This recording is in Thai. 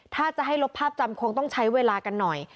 ถ้าจะให้ลบภาพจำคงต้องใช้เวลากันหน่อย